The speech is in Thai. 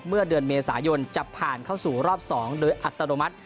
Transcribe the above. เมื่อเดือนเมษายนจะผ่านเข้าสู่รอบ๒โดยอัตโนมัติ